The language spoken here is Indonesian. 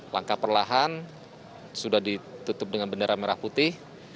langkah perlahan sudah ditutup dengan bendera merah putih